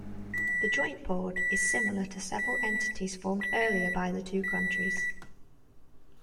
The joint board is similar to several entities formed earlier by the two countries.